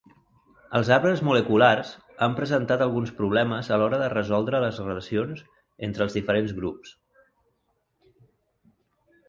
Els arbres moleculars han presentat alguns problemes a l'hora de resoldre les relacions entre els diferents grups.